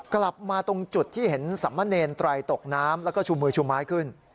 กลับมาตรงจุดที่เห็นสำมะเนรไตรตกน้ำแล้วก็ชูมือชูไม้ขึ้น